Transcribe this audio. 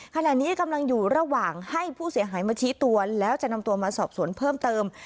ขณะนี้กำลังอยู่ระหว่างให้ผู้เสียหายมาชี้ตัวแล้วจะนำตัวมาสอบสวนเพิ่มเติม